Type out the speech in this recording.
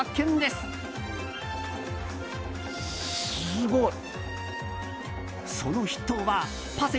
すごい！